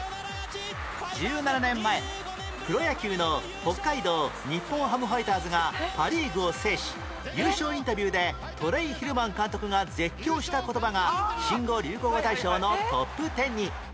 １７年前プロ野球の北海道日本ハムファイターズがパ・リーグを制し優勝インタビューでトレイ・ヒルマン監督が絶叫した言葉が新語・流行語大賞のトップ１０に